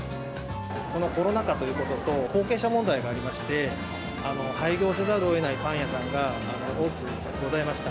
このコロナ禍ということと、後継者問題がありまして、廃業せざるをえないパン屋さんが多くございました。